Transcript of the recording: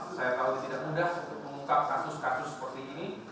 saya tahu tidak mudah untuk mengungkap kasus kasus seperti ini